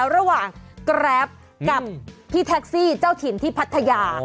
ระหว่างแกรปกับพี่แท็กซี่เจ้าถิ่นที่พัทยา